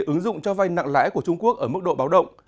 ứng dụng cho vay nặng lãi của trung quốc ở mức độ báo động